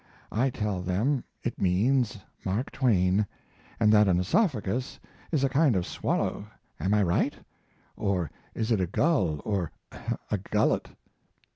I tell them it means Mark Twain, and that an oesophagus is a kind of swallow. Am I right? Or is it a gull? Or a gullet?